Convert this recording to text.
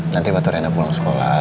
nanti waktu renda pulang sekolah